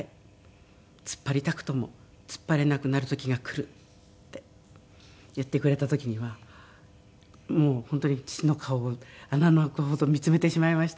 「突っ張りたくとも突っ張れなくなる時がくる」って言ってくれた時にはもう本当に父の顔を穴の開くほど見つめてしまいました。